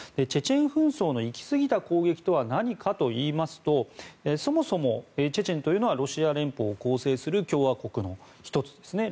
チェチェン紛争の行きすぎた攻撃とは何かといいますとそもそもチェチェンというのはロシア連邦を構成する共和国の１つです。